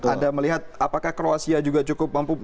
anda melihat apakah kroasia juga cukup mampu